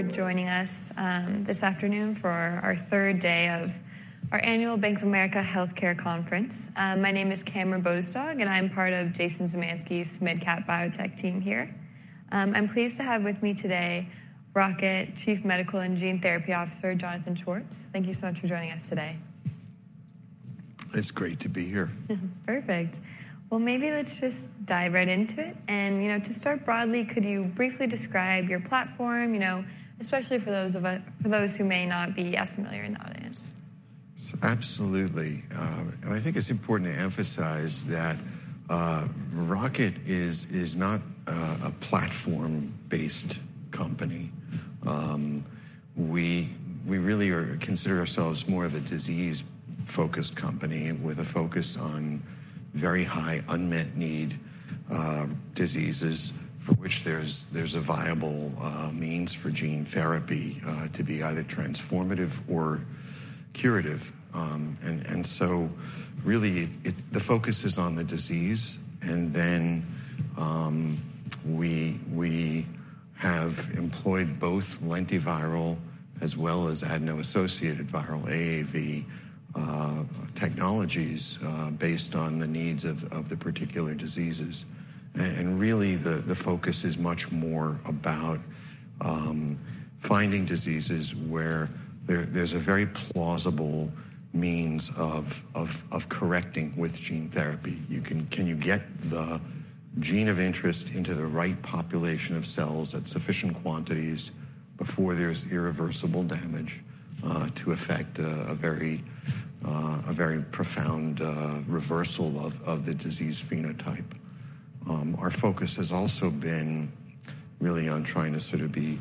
Thank you for joining us, this afternoon for our third day of our annual Bank of America Healthcare Conference. My name is Cameron Bozdog, and I'm part of Jason Zemansky's mid-cap biotech team here. I'm pleased to have with me today, Rocket Chief Medical and Gene Therapy Officer, Jonathan Schwartz. Thank you so much for joining us today. It's great to be here. Perfect. Well, maybe let's just dive right into it. You know, to start broadly, could you briefly describe your platform, you know, especially for those who may not be as familiar in the audience? Absolutely. I think it's important to emphasize that Rocket is not a platform-based company. We really consider ourselves more of a disease-focused company with a focus on very high unmet need diseases for which there's a viable means for gene therapy to be either transformative or curative. And so really, the focus is on the disease, and then we have employed both lentiviral as well as adeno-associated viral, AAV, technologies based on the needs of the particular diseases. And really, the focus is much more about finding diseases where there's a very plausible means of correcting with gene therapy. Can you get the gene of interest into the right population of cells at sufficient quantities before there's irreversible damage to effect a very profound reversal of the disease phenotype? Our focus has also been really on trying to sort of be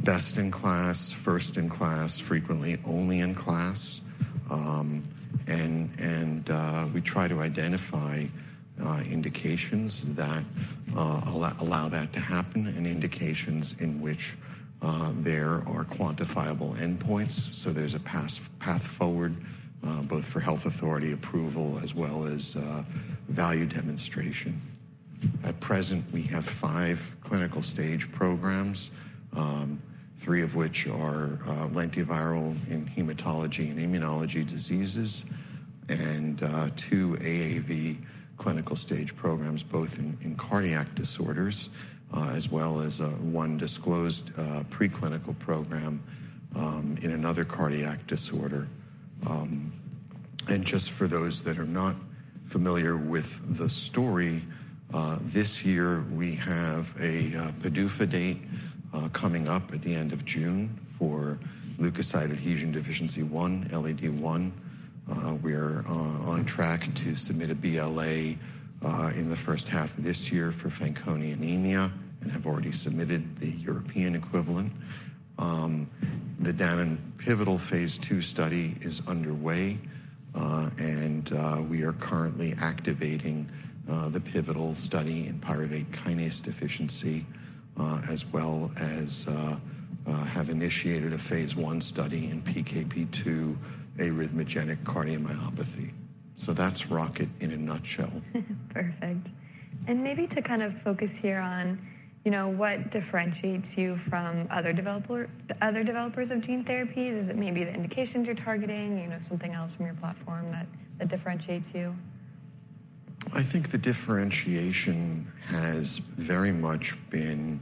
best-in-class, first-in-class, frequently, only in class. And we try to identify indications that allow that to happen, and indications in which there are quantifiable endpoints. So there's a path forward both for health authority approval as well as value demonstration. At present, we have five clinical stage programs, three of which are lentiviral in hematology and immunology diseases, and two AAV clinical stage programs, both in cardiac disorders, as well as one disclosed preclinical program in another cardiac disorder. And just for those that are not familiar with the story, this year, we have a PDUFA date coming up at the end of June for leukocyte adhesion deficiency one, LAD-I. We're on track to submit a BLA in the first half of this year for Fanconi anemia and have already submitted the European equivalent. The Danon and pivotal phase II study is underway, and we are currently activating the pivotal study in pyruvate kinase deficiency, as well as have initiated a phase I study in PKP2 arrhythmogenic cardiomyopathy. So that's Rocket in a nutshell. Perfect. Maybe to kind of focus here on, you know, what differentiates you from other developer, other developers of gene therapies. Is it maybe the indications you're targeting, you know, something else from your platform that, that differentiates you? I think the differentiation has very much been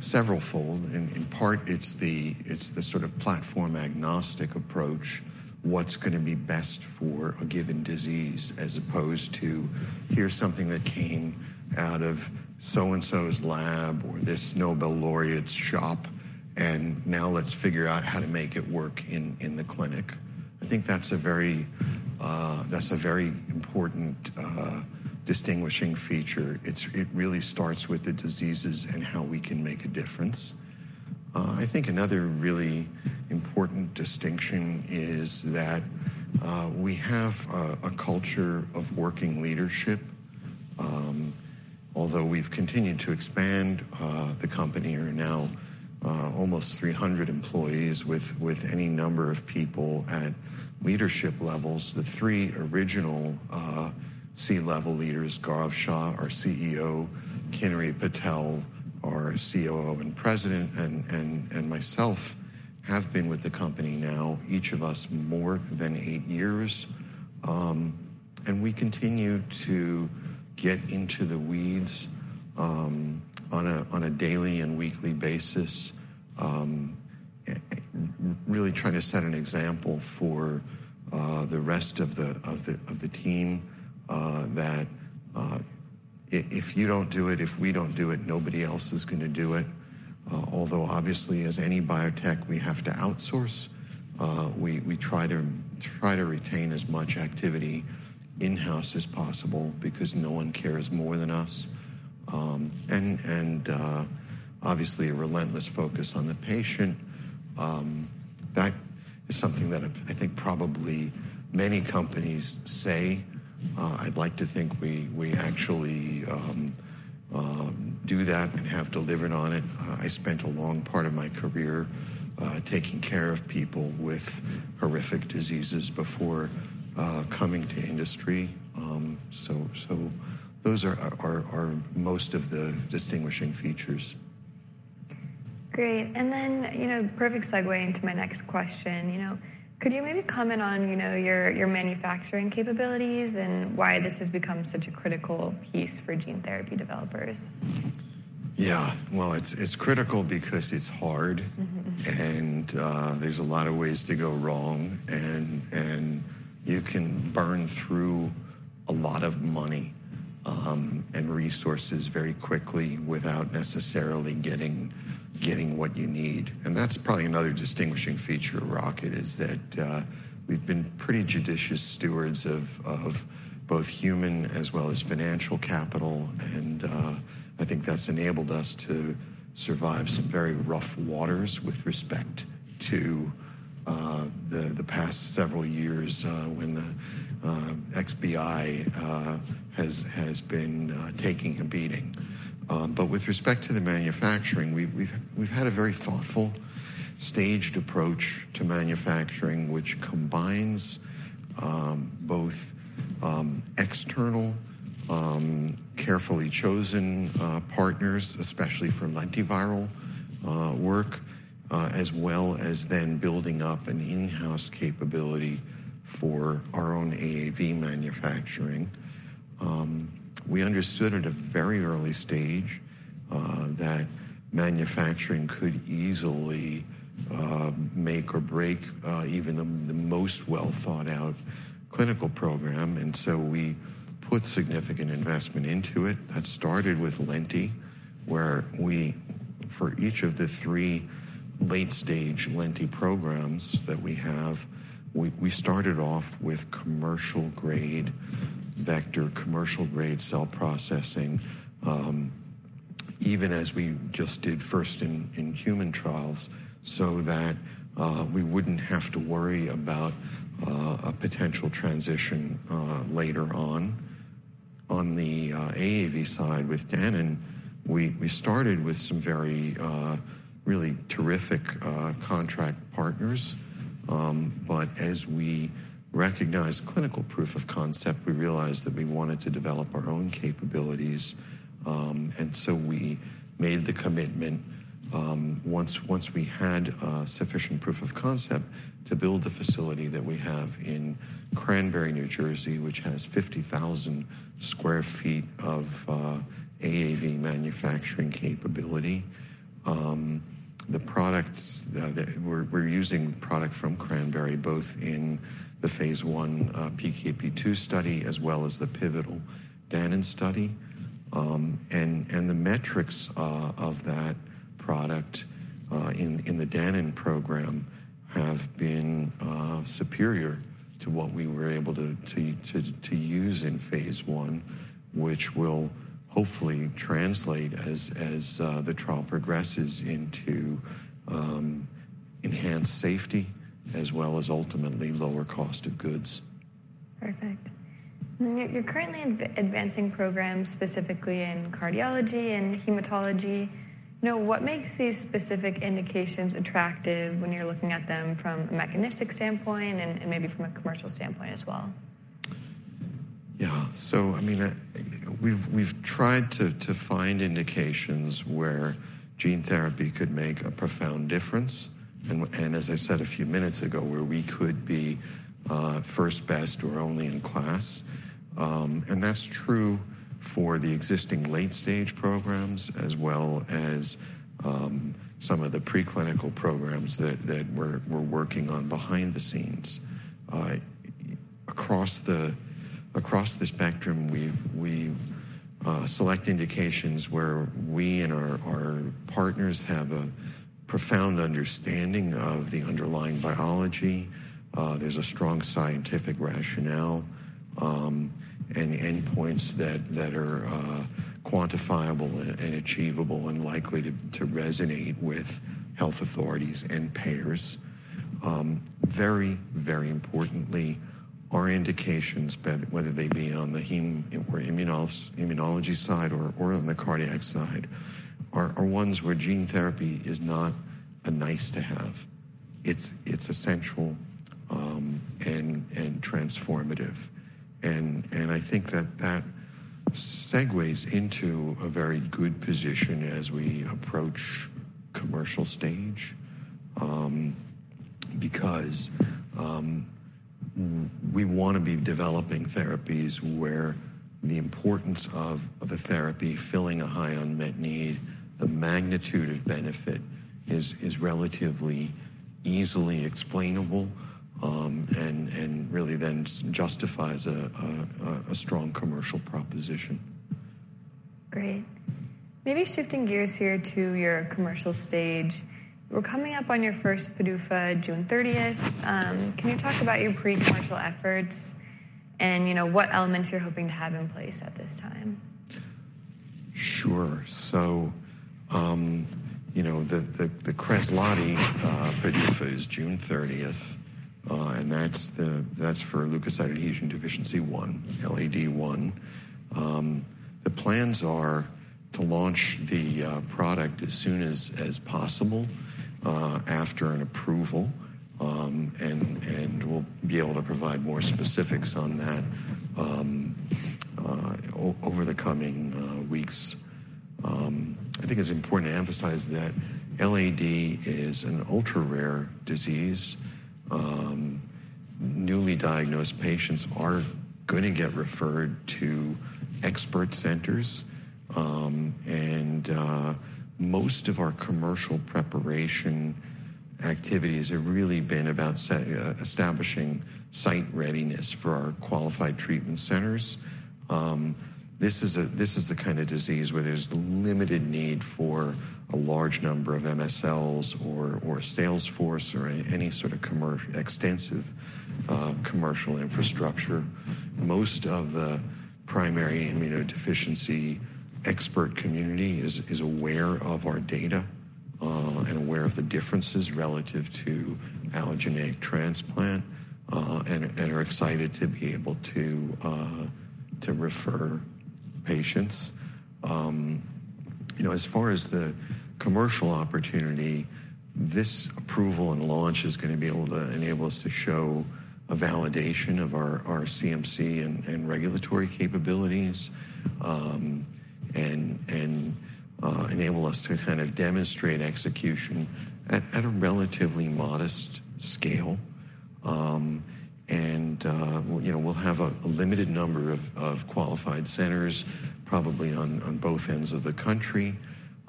severalfold. In part, it's the sort of platform-agnostic approach, what's going to be best for a given disease, as opposed to, "Here's something that came out of so-and-so's lab or this Nobel laureate's shop, and now let's figure out how to make it work in the clinic." I think that's a very, that's a very important distinguishing feature. It's. It really starts with the diseases and how we can make a difference. I think another really important distinction is that, we have a culture of working leadership. Although we've continued to expand the company, we're now almost 300 employees with any number of people at leadership levels. The three original C-level leaders, Gaurav Shah, our CEO; Kinnari Patel, our COO and president; and myself, have been with the company now, each of us, more than eight years. We continue to get into the weeds on a daily and weekly basis, really trying to set an example for the rest of the team that if you don't do it, if we don't do it, nobody else is going to do it. Although obviously, as any biotech we have to outsource, we try to retain as much activity in-house as possible because no one cares more than us. Obviously, a relentless focus on the patient. That is something that I think probably many companies say. I'd like to think we actually do that and have delivered on it. I spent a long part of my career taking care of people with horrific diseases before coming to industry. So those are most of the distinguishing features. Great, and then, you know, perfect segue into my next question. You know, could you maybe comment on, you know, your, your manufacturing capabilities and why this has become such a critical piece for gene therapy developers? Yeah, well, it's critical because it's hard. There's a lot of ways to go wrong, and you can burn through a lot of money and resources very quickly without necessarily getting what you need. That's probably another distinguishing feature of Rocket, is that we've been pretty judicious stewards of both human as well as financial capital, and I think that's enabled us to survive some very rough waters with respect to the past several years when the XBI has been taking a beating. But with respect to the manufacturing, we've had a very thoughtful, staged approach to manufacturing, which combines both external, carefully chosen partners, especially for lentiviral work, as well as then building up an in-house capability for our own AAV manufacturing. We understood at a very early stage that manufacturing could easily make or break even the most well-thought-out clinical program, and so we put significant investment into it. That started with lenti, where we for each of the three late-stage lenti programs that we have, we started off with commercial-grade vector, commercial-grade cell processing, even as we just did first in human trials, so that we wouldn't have to worry about a potential transition later on. On the AAV side with Danon, we started with some very really terrific contract partners. But as we recognized clinical proof of concept, we realized that we wanted to develop our own capabilities, and so we made the commitment, once we had sufficient proof of concept, to build the facility that we have in Cranbury, New Jersey, which has 50,000 sq ft of AAV manufacturing capability. We're using product from Cranbury, both in the phase I PKP2 study as well as the pivotal Danon study. And the metrics of that product in the Danon program have been superior to what we were able to use in phase I, which will hopefully translate as the trial progresses into enhanced safety as well as ultimately lower cost of goods. Perfect. You're currently advancing programs specifically in cardiology and hematology. You know, what makes these specific indications attractive when you're looking at them from a mechanistic standpoint and maybe from a commercial standpoint as well? Yeah. So, I mean, we've tried to find indications where gene therapy could make a profound difference, and as I said a few minutes ago, where we could be first, best, or only in class. And that's true for the existing late-stage programs, as well as some of the preclinical programs that we're working on behind the scenes. Across the spectrum, we select indications where we and our partners have a profound understanding of the underlying biology. There's a strong scientific rationale, and endpoints that are quantifiable and achievable and likely to resonate with health authorities and payers. Very, very importantly, our indications, whether they be on the hem or immunology side or on the cardiac side, are ones where gene therapy is not a nice-to-have. It's essential, and transformative, and I think that segues into a very good position as we approach commercial stage. Because we want to be developing therapies where the importance of the therapy filling a high unmet need, the magnitude of benefit is relatively easily explainable, and really then justifies a strong commercial proposition. Great. Maybe shifting gears here to your commercial stage. We're coming up on your first PDUFA, June 30th. Can you talk about your pre-commercial efforts and, you know, what elements you're hoping to have in place at this time? Sure. So, you know, the Kresladi PDUFA is June 30th, and that's for leukocyte adhesion deficiency one, LAD-I. The plans are to launch the product as soon as possible after an approval, and we'll be able to provide more specifics on that over the coming weeks. I think it's important to emphasize that LAD is an ultra-rare disease. Newly diagnosed patients are gonna get referred to expert centers, and most of our commercial preparation activities have really been about establishing site readiness for our qualified treatment centers. This is the kind of disease where there's limited need for a large number of MSLs or a sales force or any sort of extensive commercial infrastructure. Most of the primary immunodeficiency expert community is aware of our data and aware of the differences relative to allogeneic transplant and are excited to be able to refer patients. You know, as far as the commercial opportunity, this approval and launch is gonna be able to enable us to show a validation of our CMC and regulatory capabilities and enable us to kind of demonstrate execution at a relatively modest scale. You know, we'll have a limited number of qualified centers, probably on both ends of the country.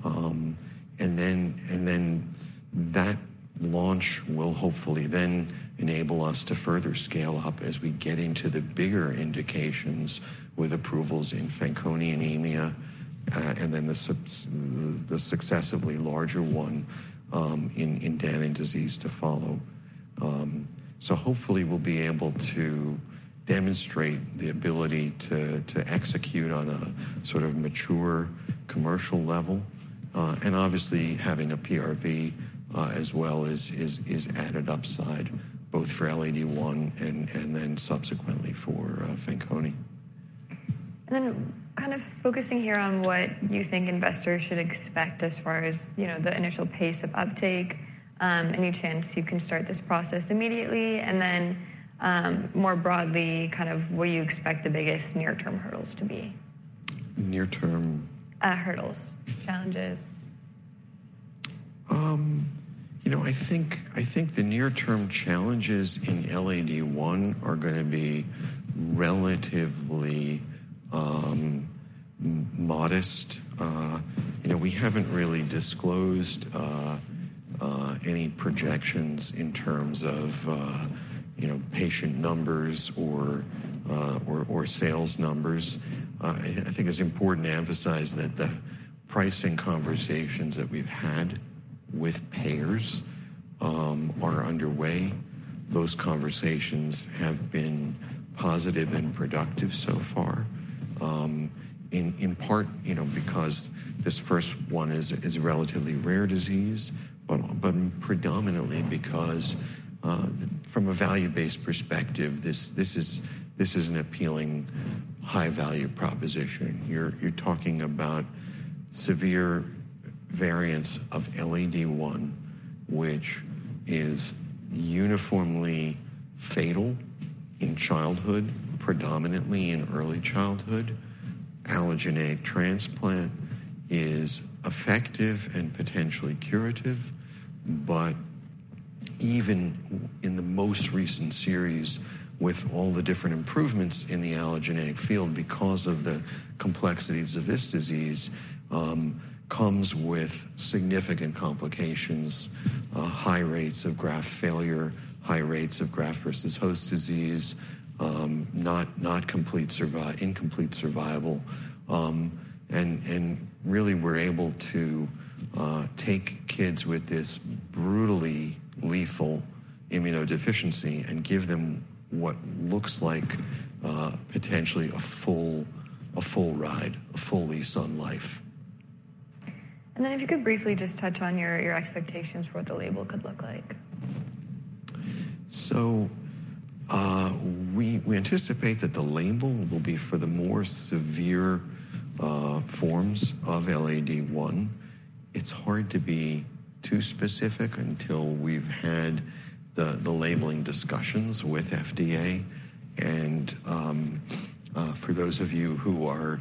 And then, and then that launch will hopefully then enable us to further scale up as we get into the bigger indications with approvals in Fanconi anemia, and then the successively larger one, in Danon disease to follow. So hopefully we'll be able to demonstrate the ability to execute on a sort of mature commercial level. And obviously, having a PRV as well is added upside, both for LAD-I and then subsequently for Fanconi. And then kind of focusing here on what you think investors should expect as far as, you know, the initial pace of uptake, any chance you can start this process immediately? And then, more broadly, kind of what do you expect the biggest near-term hurdles to be? Near-term? Hurdles, challenges. You know, I think the near-term challenges in LAD-I are gonna be relatively modest. You know, we haven't really disclosed any projections in terms of, you know, patient numbers or sales numbers. I think it's important to emphasize that the pricing conversations that we've had with payers are underway. Those conversations have been positive and productive so far, in part, you know, because this first one is a relatively rare disease, but predominantly because, from a value-based perspective, this is an appealing high-value proposition. You're talking about severe variants of LAD-I, which is uniformly fatal in childhood, predominantly in early childhood. Allogeneic transplant is effective and potentially curative, but even in the most recent series, with all the different improvements in the allogeneic field, because of the complexities of this disease, comes with significant complications: high rates of graft failure, high rates of graft-versus-host disease, not complete, incomplete survival. And really, we're able to take kids with this brutally lethal immunodeficiency and give them what looks like potentially a full, a full ride, a full lease on life. If you could briefly just touch on your expectations for what the label could look like. So, we anticipate that the label will be for the more severe forms of LAD-I. It's hard to be too specific until we've had the labeling discussions with FDA. For those of you who are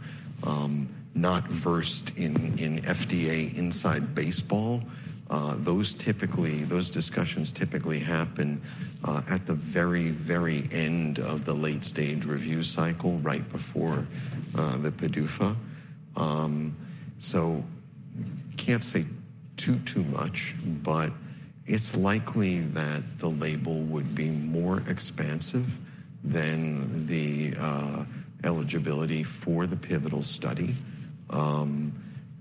not versed in FDA inside baseball, those discussions typically happen at the very, very end of the late-stage review cycle, right before the PDUFA. So, can't say too much, but it's likely that the label would be more expansive than the eligibility for the pivotal study.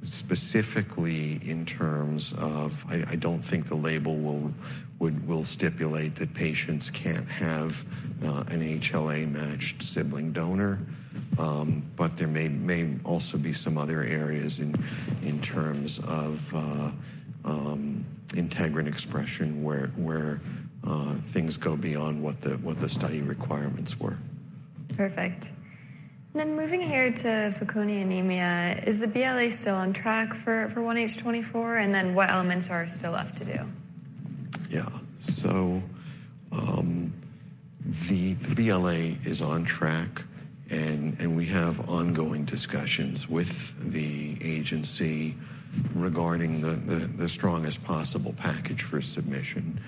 Specifically in terms of—I don't think the label would stipulate that patients can't have an HLA-matched sibling donor, but there may also be some other areas in terms of integrin expression, where things go beyond what the study requirements were. Perfect. Then moving ahead to Fanconi anemia, is the BLA still on track for 1H 2024? And then what elements are still left to do? Yeah. So, the BLA is on track, and we have ongoing discussions with the agency regarding the strongest possible package for submission.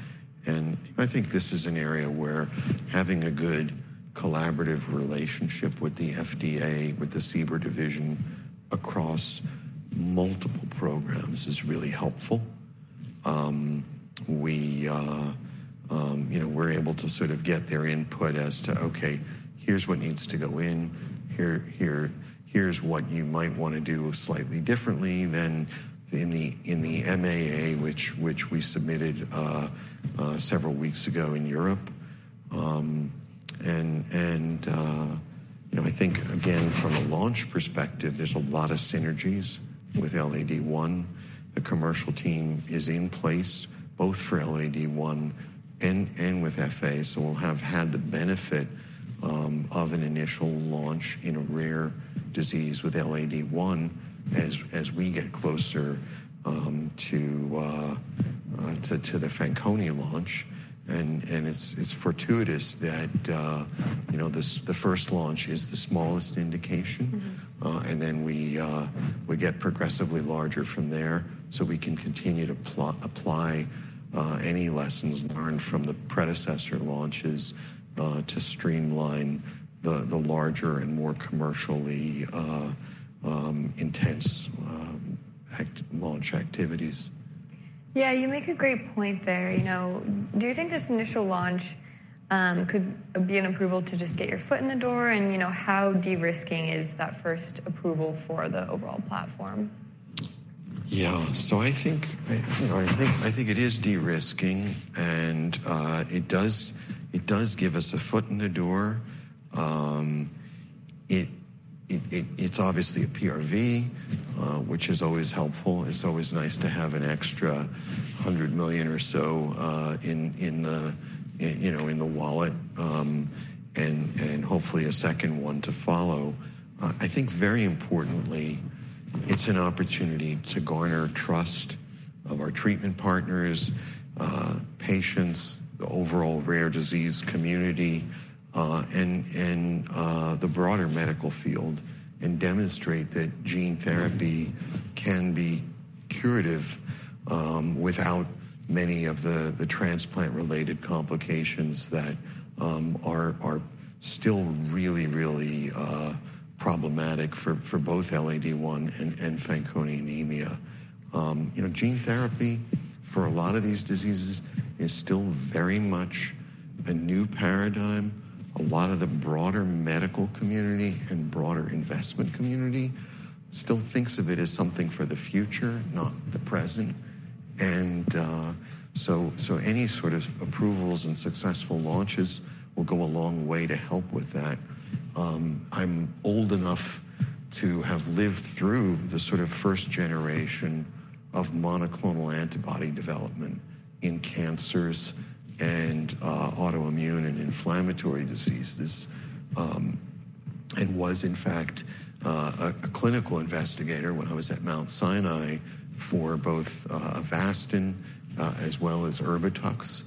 And I think this is an area where having a good collaborative relationship with the FDA, with the CBER division across multiple programs is really helpful. You know, we're able to sort of get their input as to, "Okay, here's what needs to go in. Here's what you might want to do slightly differently than in the MAA," which we submitted several weeks ago in Europe. And, you know, I think again, from a launch perspective, there's a lot of synergies with LAD-I. The commercial team is in place, both for LAD-I and with FA, so we'll have had the benefit of an initial launch in a rare disease with LAD-I, as we get closer to the Fanconi launch. And it's fortuitous that, you know, this—the first launch is the smallest indication. And then we get progressively larger from there, so we can continue to apply any lessons learned from the predecessor launches to streamline the larger and more commercially intense act launch activities. Yeah, you make a great point there. You know, do you think this initial launch could be an approval to just get your foot in the door? You know, how de-risking is that first approval for the overall platform? Yeah. So I think, you know, I think it is de-risking, and it does give us a foot in the door. It is obviously a PRV, which is always helpful. It's always nice to have an extra $100 million or so in the wallet, and hopefully a second one to follow. I think very importantly, it's an opportunity to garner trust of our treatment partners, patients, the overall rare disease community, and the broader medical field, and demonstrate that gene therapy can be curative, without many of the transplant-related complications that are still really problematic for both LAD-I and Fanconi anemia. You know, gene therapy for a lot of these diseases is still very much a new paradigm. A lot of the broader medical community and broader investment community still thinks of it as something for the future, not the present. And, so any sort of approvals and successful launches will go a long way to help with that. I'm old enough to have lived through the sort of first generation of monoclonal antibody development in cancers and autoimmune and inflammatory diseases, and was, in fact, a clinical investigator when I was at Mount Sinai for both Avastin as well as Erbitux,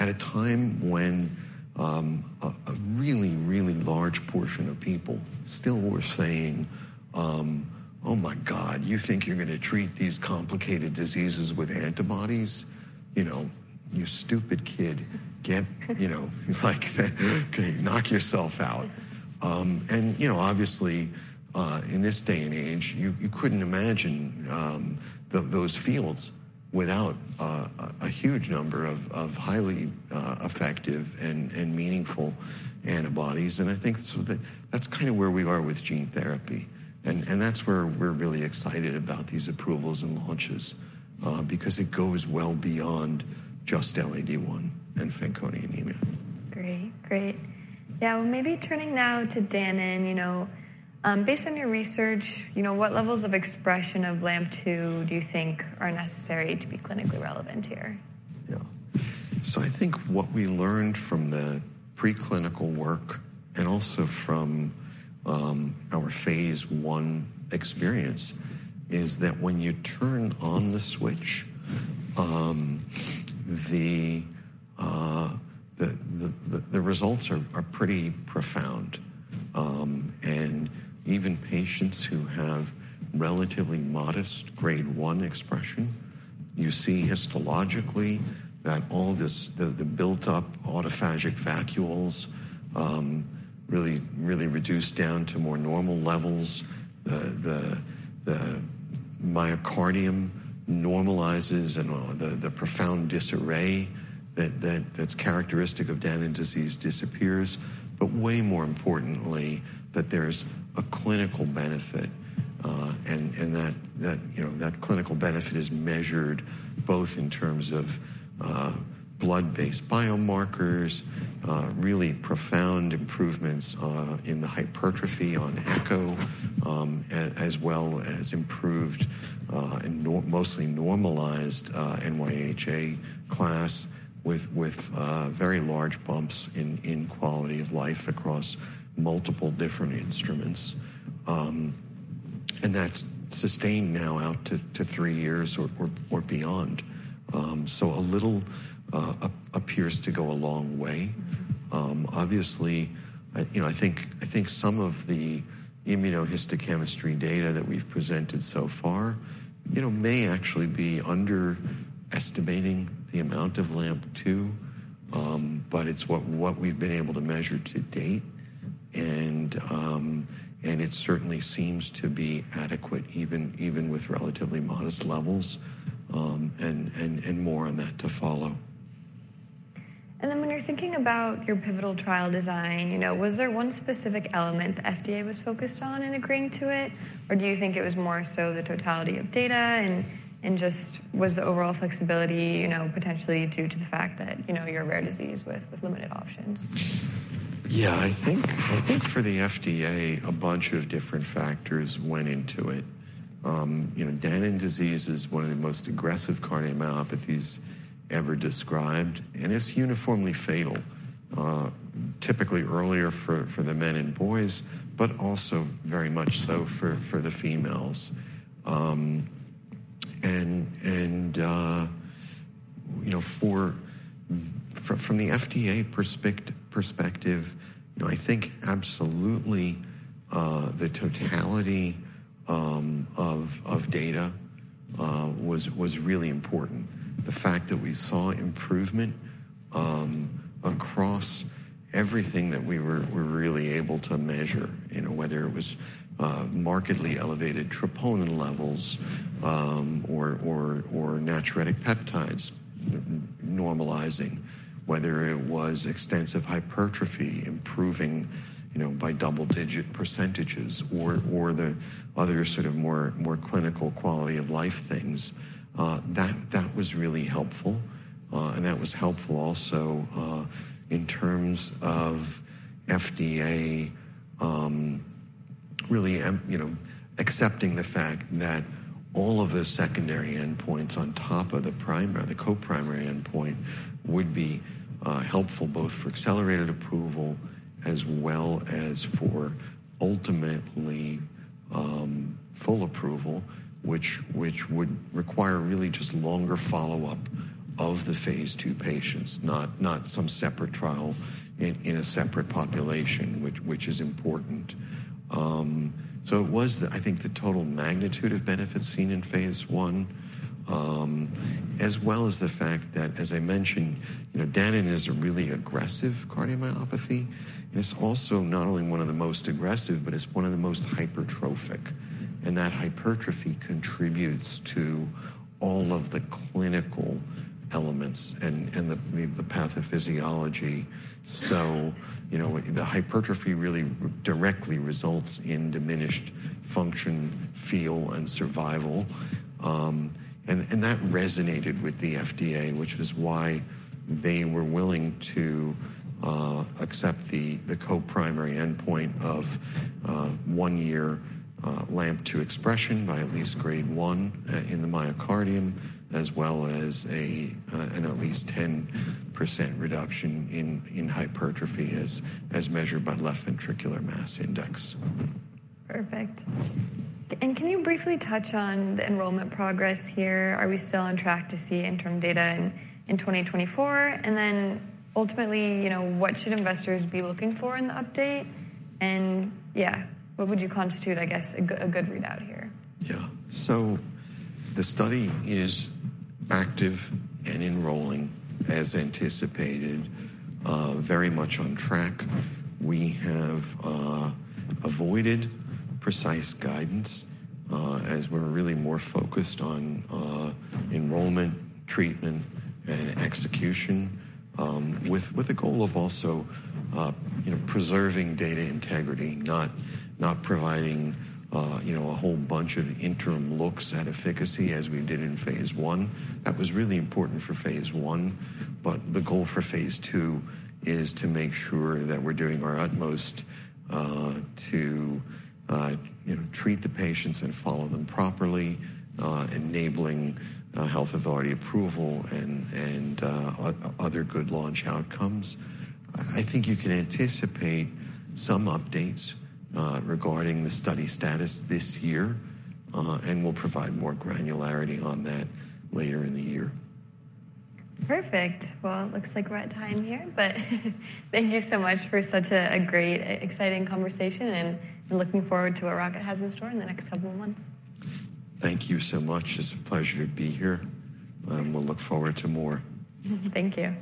at a time when a really, really large portion of people still were saying: "Oh, my God, you think you're going to treat these complicated diseases with antibodies? You know, you stupid kid, get—you know, like, "Okay, knock yourself out." And, you know, obviously, in this day and age, you, you couldn't imagine, those fields without a huge number of, of highly, effective and, and meaningful antibodies. And I think so that, that's kind of where we are with gene therapy, and, and that's where we're really excited about these approvals and launches, because it goes well beyond just LAD-I and Fanconi anemia. Great. Great. Yeah, well, maybe turning now to Danon, you know, based on your research, you know, what levels of expression of LAMP2 do you think are necessary to be clinically relevant here? Yeah. So I think what we learned from the preclinical work, and also from our phase I experience, is that when you turn on the switch, the results are pretty profound. And even patients who have relatively modest grade 1 expression, you see histologically, that all this, the built-up autophagic vacuoles really, really reduce down to more normal levels. The myocardium normalizes and the profound disarray that's characteristic of Danon disease disappears, but way more importantly, that there's a clinical benefit, and that, you know, that clinical benefit is measured both in terms of blood-based biomarkers, really profound improvements in the hypertrophy on echo—as well as improved and mostly normalized NYHA Class with very large bumps in quality of life across multiple different instruments. And that's sustained now out to three years or beyond. So a little appears to go a long way. Obviously, you know, I think some of the immunohistochemistry data that we've presented so far, you know, may actually be underestimating the amount of LAMP2, but it's what we've been able to measure to date. And it certainly seems to be adequate, even with relatively modest levels, and more on that to follow. And then when you're thinking about your pivotal trial design, you know, was there one specific element the FDA was focused on in agreeing to it? Or do you think it was more so the totality of data and, and just was the overall flexibility, you know, potentially due to the fact that, you know, you're a rare disease with, with limited options? Yeah, I think for the FDA, a bunch of different factors went into it. You know, Danon disease is one of the most aggressive cardiomyopathies ever described, and it's uniformly fatal, typically earlier for the men and boys, but also very much so for the females. And you know, from the FDA perspective, you know, I think absolutely the totality of data was really important. The fact that we saw improvement across everything that we were really able to measure, you know, whether it was markedly elevated troponin levels or natriuretic peptides normalizing, whether it was extensive hypertrophy improving, you know, by double-digit percentages or the other sort of more clinical quality of life things. That, that was really helpful, and that was helpful also, in terms of FDA, really you know, accepting the fact that all of the secondary endpoints on top of the primary, the co-primary endpoint, would be helpful both for accelerated approval as well as for ultimately, full approval, which, which would require really just longer follow-up of the phase II patients, not, not some separate trial in, in a separate population, which, which is important. So it was the, I think, the total magnitude of benefits seen in phase I, as well as the fact that, as I mentioned, you know, Danon is a really aggressive cardiomyopathy, and it's also not only one of the most aggressive, but it's one of the most hypertrophic. And that hypertrophy contributes to all of the clinical elements and, and the, the pathophysiology. So, you know, the hypertrophy really directly results in diminished function, feel, and survival. And that resonated with the FDA, which was why they were willing to accept the co-primary endpoint of one year LAMP2 expression by at least grade one in the myocardium, as well as an at least 10% reduction in hypertrophy as measured by left ventricular mass index. Perfect. And can you briefly touch on the enrollment progress here? Are we still on track to see interim data in 2024? And then ultimately, you know, what should investors be looking for in the update? And yeah, what would you constitute, I guess, a good, a good readout here? Yeah. So the study is active and enrolling as anticipated, very much on track. We have avoided precise guidance, as we're really more focused on enrollment, treatment, and execution, with the goal of also, you know, preserving data integrity, not providing, you know, a whole bunch of interim looks at efficacy as we did in phase I. That was really important for phase I, but the goal for phase II is to make sure that we're doing our utmost, to you know, treat the patients and follow them properly, enabling health authority approval and other good launch outcomes. I think you can anticipate some updates regarding the study status this year, and we'll provide more granularity on that later in the year. Perfect. Well, it looks like we're out of time here, but thank you so much for such a, a great, exciting conversation, and I'm looking forward to what Rocket has in store in the next couple of months. Thank you so much. It's a pleasure to be here, and we'll look forward to more. Thank you.